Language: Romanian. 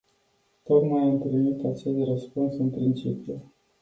Tocmai am primit acest răspuns în principiu.